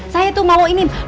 saya tuh mau inin